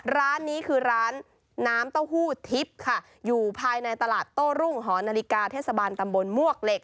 ร้านนี้คือร้านน้ำเต้าหู้ทิพย์ค่ะอยู่ภายในตลาดโต้รุ่งหอนาฬิกาเทศบาลตำบลมวกเหล็ก